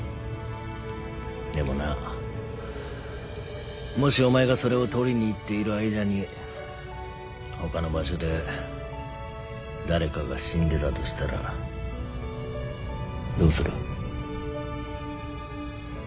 でもなもしお前がそれを取りに行っている間に他の場所で誰かが死んでたとしたらどうする？